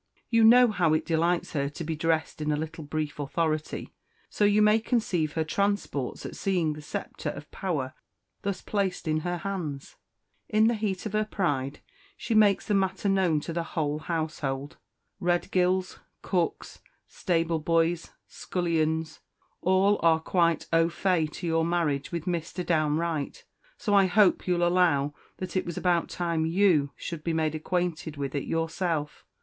You know how it delights her to be dressed in a little brief authority; so you may conceive her transports at seeing the sceptre of power thus placed in her hands. In the heat of her pride she makes the matter known to the whole household. Redgills, cooks, stable boys, scullions, all are quite au fait to your marriage with Mr. Downe Wright; so I hope you'll allow that it was about time _you _should be made acquainted with it yourself.